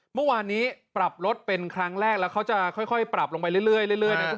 เมื่อวานนี้ปรับลดเป็นครั้งแรกแล้วเขาจะค่อยปรับลงไปเรื่อยนะครับ